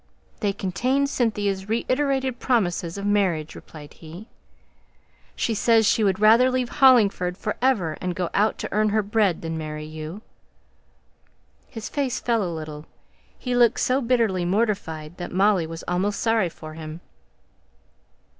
"They contain Cynthia's reiterated promises of marriage," replied he. "She says she would rather leave Hollingford for ever, and go out to earn her bread, than marry you." His face fell a little. He looked so bitterly mortified, that Molly was almost sorry for him.